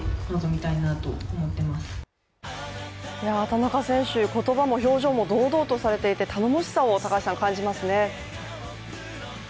田中選手、言葉も表情も堂々とされていて、頼もしさを感じますね。